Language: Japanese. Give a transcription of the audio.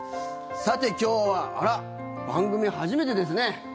さて、今日はあら、番組初めてですね。